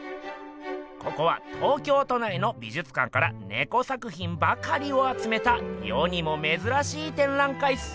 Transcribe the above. ここは東京都内の美術館からネコ作品ばかりをあつめた世にもめずらしい展覧会っす。